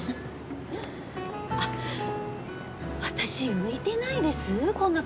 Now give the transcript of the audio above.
あっ、私浮いてないです？